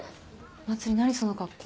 茉莉何その格好。